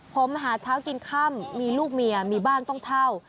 ผมหาเช้ากินค่ำมีลูกเมียมีบ้านต้องเช่า